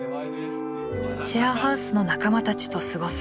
シェアハウスの仲間たちと過ごす大西さん。